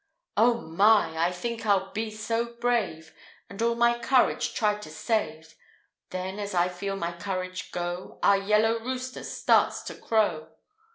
Oh, my, I think I'll be so brave, And all my courage try to save; Then, as I feel my courage go, Our yellow rooster starts to crow.